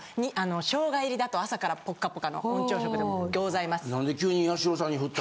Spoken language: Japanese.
ショウガ入りだと朝からぽっかぽかの本朝食でぎょうざいます。